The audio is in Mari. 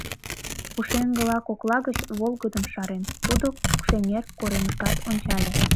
Пушеҥгыла кокла гыч, волгыдым шарем, тудо Кукшеҥер коремышкат ончале.